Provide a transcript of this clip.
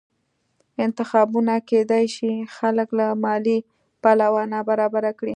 انتخابونه کېدای شي خلک له مالي پلوه نابرابره کړي